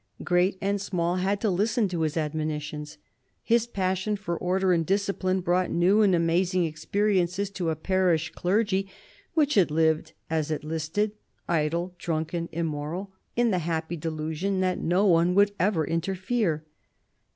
Great and small had to listen to his admonitions. His passion for order and discipline brought new and amazing experiences to a parish clergy which had lived as it listed, idle, drunken, immoral, in the happy delusion that no one would ever interfere.